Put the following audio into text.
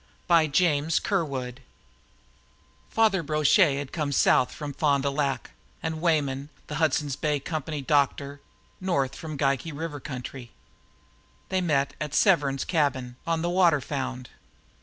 BUCKY SEVERN Father Brochet had come south from Fond du Lac, and Weyman, the Hudson's Bay Company doctor, north through the Geikee River country. They had met at Severn's cabin, on the Waterfound.